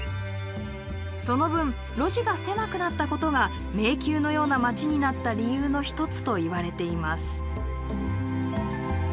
その分路地が狭くなったことが迷宮のような街になった理由の一つといわれています。